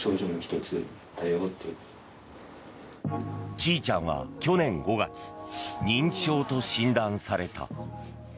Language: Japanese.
ちいちゃんは去年５月認知症と診断された。